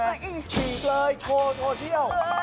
ไม่ได้